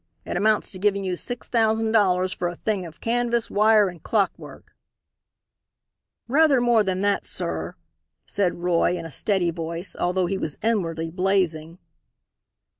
It amounts to giving you six thousand dollars for a thing of canvas, wire and clockwork." "Rather more than that, sir," said Roy, in a steady voice, although he was inwardly blazing.